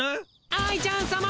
愛ちゃんさま。